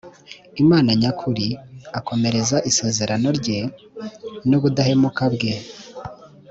imana nyakuri; akomereza isezerano rye n’ubudahemuka bwe